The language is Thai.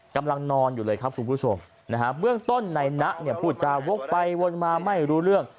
กำลังนอนอยู่เลยครับคุณผู้ชมนะฮะเบื้องต้นในนะเนี่ยพูดจาวกไปวนมาไม่รู้เรื่อง